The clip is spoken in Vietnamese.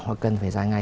họ cần phải dài ngày